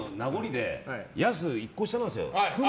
やす１個下なんですよ。